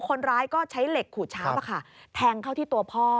คนร้ายก็ใช้เหล็กขูดช้าปแทงเข้าที่ตัวพ่อ